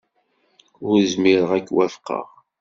Ur zmireɣ ad k-wafqeɣ.